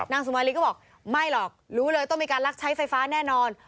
สุมาริก็บอกไม่หรอกรู้เลยต้องมีการลักใช้ไฟฟ้าแน่นอน